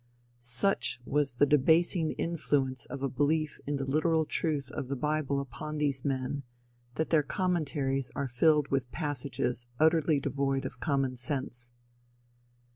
Such was the debasing influence of a belief in the literal truth of the bible upon these men, that their commentaries are filled with passages utterly devoid of common sense.